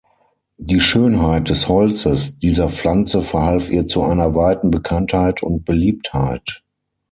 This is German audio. Die Schönheit des Holzes dieser Pflanze verhalf ihr zu einer weiten Bekanntheit und Beliebtheit.